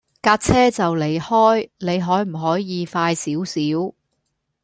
架車就嚟開，你可唔可以快少少